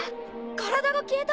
体が消えた！